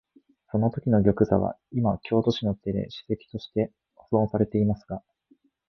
そのときの玉座は、いま京都市の手で史跡として保存されていますが、